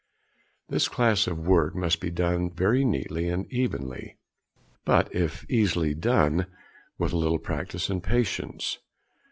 This class of work must be done very neatly and evenly, but it is easily done with a little practice and patience.